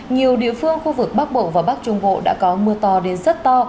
nhiều địa phương khu vực bắc bộ và bắc trung bộ đã có mưa to đến rất to